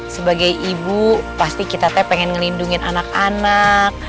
sebagai ibu pasti kita teh pengen ngelindungin anak anak